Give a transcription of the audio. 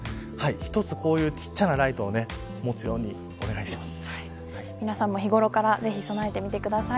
一つこういう小さなライトを皆さんも日頃からぜひ備えてみてください。